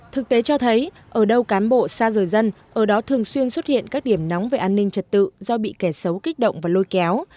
thực tế cho thấy ở đâu cán bộ xa rời dân ở đó thường xuyên xuất hiện các điểm nóng về an ninh trật tự do bị kẻ xấu kích động và lôi kéo